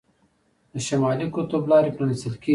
د شمالي قطب لارې پرانیستل کیږي.